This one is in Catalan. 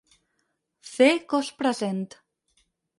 Fer cos present.